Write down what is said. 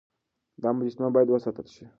دا مجسمه بايد وساتل شي.